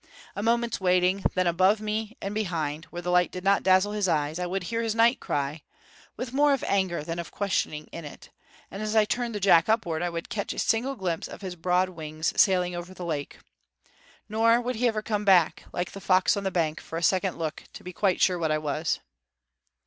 A moment's waiting; then, above me and behind, where the light did not dazzle his eyes, I would hear his night cry with more of anger than of questioning in it and as I turned the jack upward I would catch a single glimpse of his broad wings sailing over the lake. Nor would he ever come back, like the fox on the bank, for a second look to be quite sure what I was.